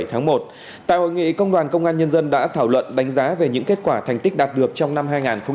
tại hội nghị công đoàn công an nhân dân đã thảo luận đánh giá về những kết quả thành tích đạt được trong năm hai nghìn hai mươi ba